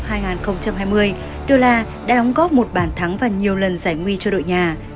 elias dolat đã đóng góp một bàn thắng và nhiều lần giải nguy cho đội nhà